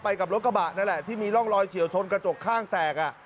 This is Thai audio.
กับรถกระบะนั่นแหละที่มีร่องรอยเฉียวชนกระจกข้างแตก